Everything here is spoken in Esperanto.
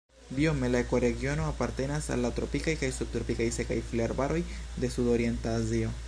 Biome la ekoregiono apartenas al la tropikaj kaj subtropikaj sekaj foliarbaroj de Sudorienta Azio.